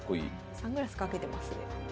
サングラスかけてますね。